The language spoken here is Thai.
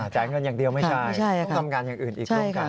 จ่ายเงินอย่างเดียวไม่ใช่ทำงานอย่างอื่นอีกรวมกัน